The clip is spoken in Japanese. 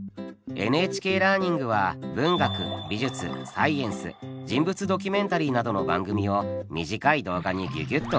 「ＮＨＫラーニング」は文学美術サイエンス人物ドキュメンタリーなどの番組を短い動画にギュギュッと凝縮。